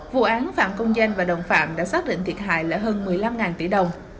vụ án phạm công danh và đồng phạm đã xác định thiệt hại là hơn một mươi năm tỷ đồng